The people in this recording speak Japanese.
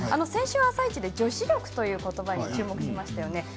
先週「あさイチ」で女子力ということばに注目しましたね。